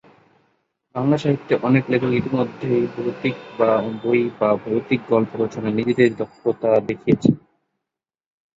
বাংলা সাহিত্যে অনেক লেখক ইতিমধ্যেই ভৌতিক বই বা ভৌতিক গল্প রচনায় নিজেদের দক্ষতা দেখিয়েছেন।